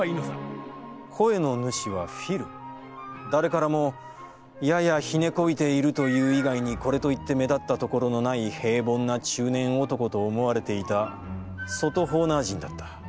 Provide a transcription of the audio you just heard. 声の主はフィル誰からも、ややひねこびているという以外にこれといって目立ったところのない平凡な中年男と思われていた外ホーナー人だった。